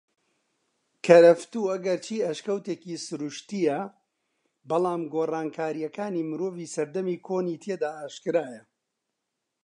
کەرەفتوو ئەگەرچی ئەشکەوتێکی سرووشتیە بەلام گۆڕانکاریەکانی مرۆڤی سەردەمی کۆنی تێدا ئاشکرایە